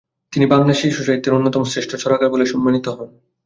তিনি বাংলা শিশুসাহিত্যের অন্যতম শ্রেষ্ঠ ছড়াকার বলে সম্মানিত হন।